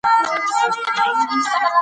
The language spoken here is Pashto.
رشوت يې منع کړ.